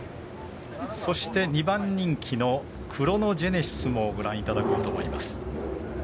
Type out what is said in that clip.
そして、２番人気のクロノジェネシスもご覧いただこうと思います。